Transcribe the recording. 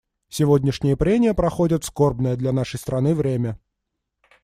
Сегодняшние прения проходят в скорбное для нашей страны время.